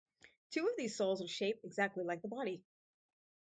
Two of these souls are shape exactly like the body.